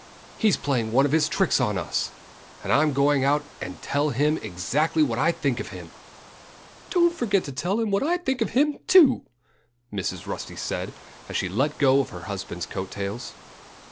"He's playing one of his tricks on us. And I'm going out and tell him exactly what I think of him." "Don't forget to tell him what I think of him, too!" Mrs. Rusty said, as she let go of her husband's coat tails.